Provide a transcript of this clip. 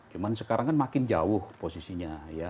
cuma sekarang kan makin jauh posisinya